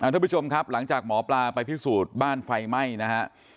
ทุกผู้ชมครับหลังจากหมอปลาไปพิสูจน์บ้านไฟไหม้นะฮะ